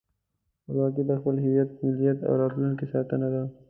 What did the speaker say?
خپلواکي د خپل هېواد، ملت او راتلونکي ساتنه ده.